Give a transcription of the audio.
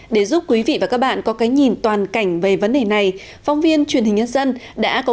để giúp quý vị và các bạn có cái nhìn toàn cảnh về vấn đề này phóng viên truyền hình nhân dân đã có